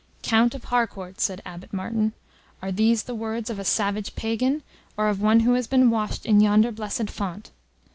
"Count of Harcourt," said Abbot Martin, "are these the words of a savage Pagan, or of one who has been washed in yonder blessed font?